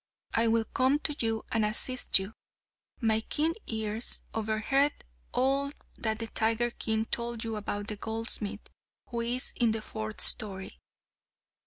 I will come to you, and assist you. My keen ears overheard all that the tiger king told you about the goldsmith, who is in the fourth storey.